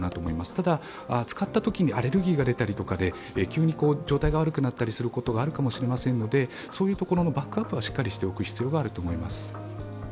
ただ、使ったときにアレルギーが出たりとかで急に状態が悪くなったりすることがあるかもしれませんので、そういうところのバックアップはしっかりしておく必要があると思います。